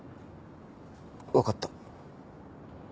わかった。